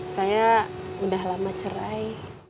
saya sudah lama cerai